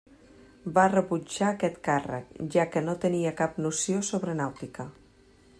Va rebutjar aquest càrrec, ja que no tenia cap noció sobre nàutica.